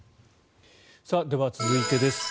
では続いてです。